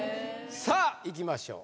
さあいきましょう。